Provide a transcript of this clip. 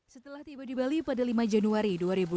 setelah tiba di bali pada lima januari dua ribu dua puluh